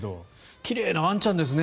奇麗なワンちゃんですね。